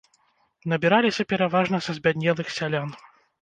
Набіраліся пераважна са збяднелых сялян.